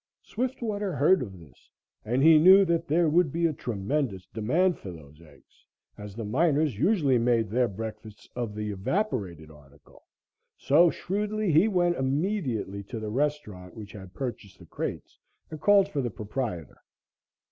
Swiftwater heard of this, and he knew that there would be a tremendous demand for those eggs, as the miners usually made their breakfasts of the evaporated article; so, shrewdly, he went immediately to the restaurant which had purchased the crates and called for the proprietor.